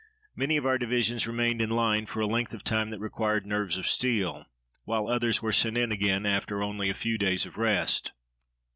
Many of our divisions remained in line for a length of time that required nerves of steel, while others were sent in again after only a few days of rest.